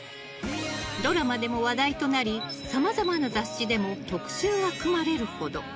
ドラマでも話題となりさまざまな雑誌でも特集が組まれるほど。